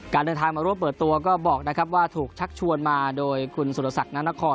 เดินทางมาร่วมเปิดตัวก็บอกนะครับว่าถูกชักชวนมาโดยคุณสุรศักดิ์นานคร